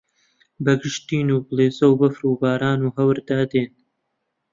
بەگژ تین و بڵێسە و بەفر و باران و هەوردا دێن